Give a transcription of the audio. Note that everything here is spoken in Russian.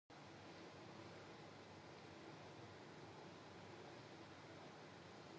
Доклад Комиссии по разоружению Генеральной Ассамблее на ее шестьдесят шестой сессии.